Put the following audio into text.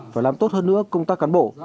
và làm tốt hơn nữa công tác cán bộ